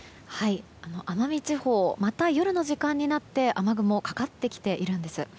奄美地方また夜の時間になって雨雲がかかってきているんです。